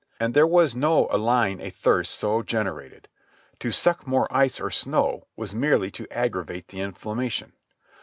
And there was no allaying a thirst so generated. To suck more ice or snow was merely to aggravate the inflammation.